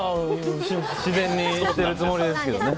自然にしているつもりですよ。